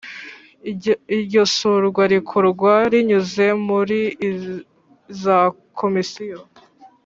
Iryo surwa rikorwa rinyuze muri za Komisiyo